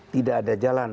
tidak ada jalan